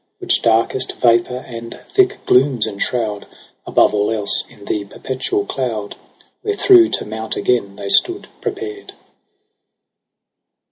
Which darkest vapour and thick glooms enshroud Above all else in the perpetual cloud, Wherethro' to mount again they stood prepared.